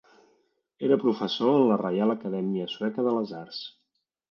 Era professor en la Reial Acadèmia Sueca de les Arts.